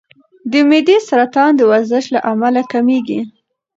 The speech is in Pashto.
د معدې سرطان د ورزش له امله کمېږي.